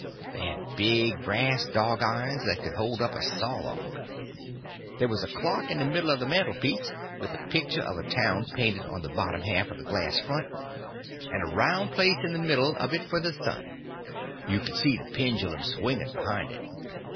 They had big brass dog irons that could hold up a saw log. There was a clock on the middle of the mantelpiece, with a picture of a town painted on the bottom half of the glass front, and a round place in the middle of it for the sun, and you could see the pendulum swinging behind it.